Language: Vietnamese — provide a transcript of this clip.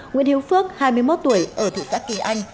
nguyễn hiếu phước hai mươi một tuổi ở thị xã kỳ anh